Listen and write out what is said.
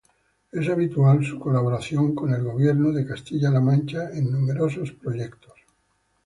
Es habitual su colaboración con el Gobierno de Castilla-La Mancha en numerosos proyectos.